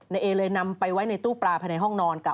เอเลยนำไปไว้ในตู้ปลาภายในห้องนอนกับ